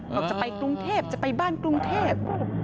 บอกจะไปกรุงเทพจะไปบ้านกรุงเทพ